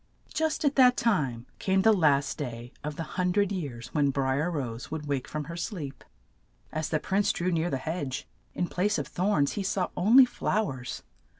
Just at that time came the last day of the hun dred years when Bri er Rose would wake from her sleep. As the prince drew near the hedge, in place of thorns he saw on ly flow ers.